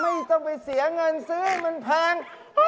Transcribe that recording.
ไม่ต้องไปเสียเงินซื้อมันแพง